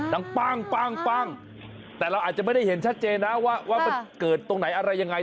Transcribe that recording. ปั้งแต่เราอาจจะไม่ได้เห็นชัดเจนนะว่ามันเกิดตรงไหนอะไรยังไง